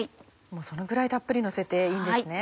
そのぐらいたっぷりのせていいんですね。